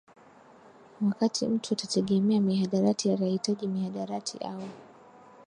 Wakati mtu atategemea mihadarati atahitaji mihadarati au